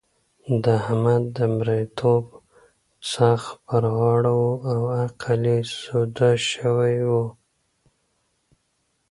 د احمد د مرېيتوب ځغ پر غاړه وو او عقل يې سوده شوی وو.